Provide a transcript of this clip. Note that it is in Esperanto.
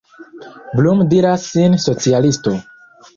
Blum diras sin socialisto.